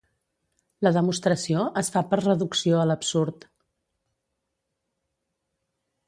La demostració es fa per reducció a l'absurd.